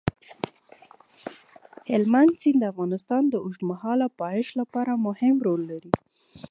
هلمند سیند د افغانستان د اوږدمهاله پایښت لپاره مهم رول لري.